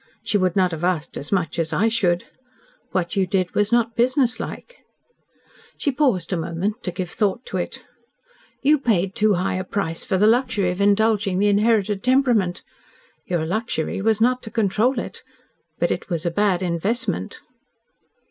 She would not have asked as much as I should. What you did was not businesslike." She paused a moment to give thought to it. "You paid too high a price for the luxury of indulging the inherited temperament. Your luxury was not to control it. But it was a bad investment."